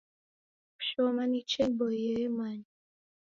Kushoma ni chia iboiye ye manya.